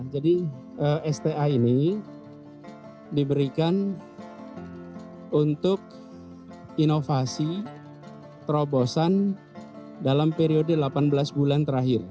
jadi sda ini diberikan untuk inovasi terobosan dalam periode delapan belas bulan terakhir